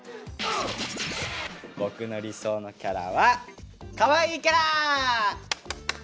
「僕の理想のキャラ」はかわいいキャラ！